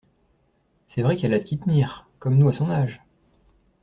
C’est vrai qu’elle a de qui tenir: comme nous à son âge!